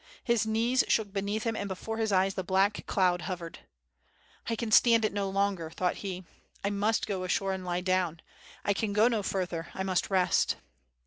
His knees shook beneath him and before his eyes the black cloud hovered. "I can stand it no longer," thought he, "I must go ashore and lie down. I can go no further, I must rest."